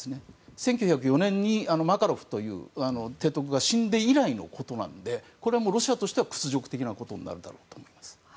１９０４年にマカロフという提督が死んで以来のことなのでこれはロシアとしては屈辱的なことになると思います。